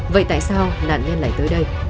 vậy tại sao nạn nhân lại tới đây